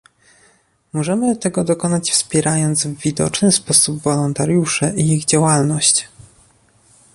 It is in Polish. Możemy tego dokonać wspierając w widoczny sposób wolontariuszy i ich działalność